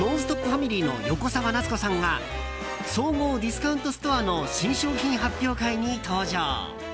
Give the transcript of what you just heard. ファミリーの横澤夏子さんが総合ディスカウントストアの新商品発表会に登場。